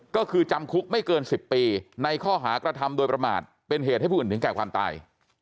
ก็คือจำคุกไม่เกิน๑๐ปีในข้อหากระทำโดยประมาทเป็นเหตุให้ผู้อื่นถึงแก่ความตาย